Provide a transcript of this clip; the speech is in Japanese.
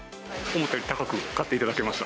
思ったより高く買っていただけました。